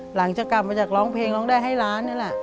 หลังจากกลับมาจากร้องเพลงร้องได้ให้ล้านนี่แหละ